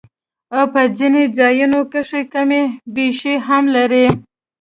او پۀ ځنې ځايونو کښې کمی بېشی هم لري